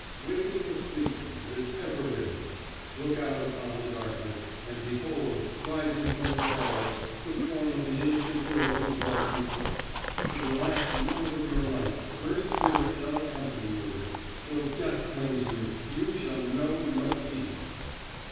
Waking or sleeping, it is ever with him. Look out upon the darkness, and behold, rising from the shadows, the form of the innocent girl whose life you took. To the last moment of your life her spirit shall accompany you; till death claims you, you shall know no peace!"